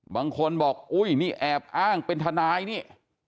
บางคนบอกอุ้ยนี่แอบอ้างเป็นทนายนี่